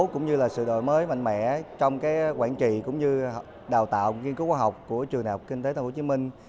cũng như là sự đổi mới mạnh mẽ trong quản trị cũng như đào tạo nghiên cứu khoa học của trường đại học kinh tế thành phố hồ chí minh